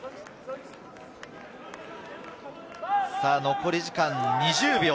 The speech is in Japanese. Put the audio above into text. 残り時間２０秒。